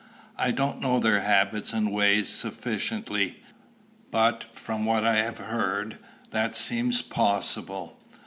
I don't know their habits and ways sufficiently; but, from what I have heard, that seems possible.